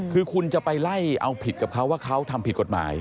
คือคุณจะไปไล่เอาผิดกับเขาว่าเขาทำผิดกฎหมาย